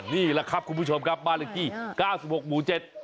นี่แหละครับคุณผู้ชมครับบ้านซูออกหมู๗